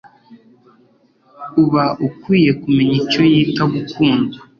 uba ukwiye kumenya icyo yita gukundwa